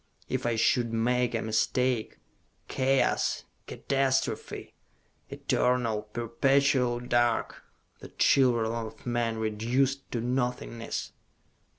If I should make a mistake.... Chaos! Catastrophe! Eternal, perpetual dark, the children of men reduced to nothingness!"